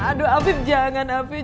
aduh afif jangan afif